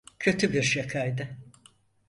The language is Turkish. Kötü bir şakaydı.